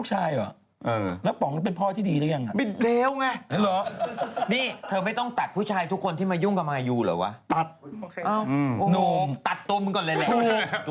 เค้าเปลี่ยนเป็นบันเทิงไทยรัฐนะ